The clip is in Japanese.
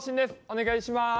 お願いします。